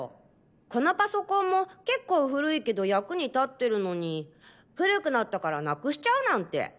このパソコンも結構古いけど役に立ってるのに古くなったからなくしちゃうなんて。